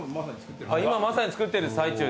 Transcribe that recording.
今まさに作ってる最中。